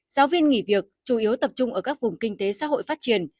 giáo viên nghỉ việc chủ yếu tập trung ở các vùng kinh tế xã hội phát triển